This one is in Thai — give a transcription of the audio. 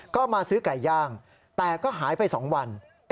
ก็มาซื้อไก่ย่างแต่ก็หายไป๒วัน